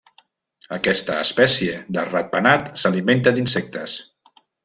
Aquesta espècie de ratpenat s'alimenta d'insectes.